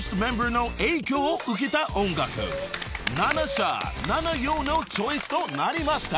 ［七者七様のチョイスとなりました］